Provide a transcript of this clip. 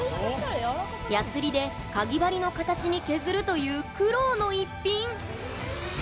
やすりでかぎ針の形に削るという苦労の逸品。